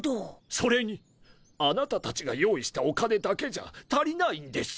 それにあなたたちが用意したお金だけじゃ足りないんです。